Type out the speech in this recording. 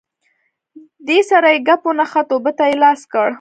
دې سره یې کپ ونښت، اوبو ته یې لاس کړ.